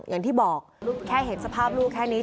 อย่างที่บอกแค่เห็นสภาพลูกแค่นี้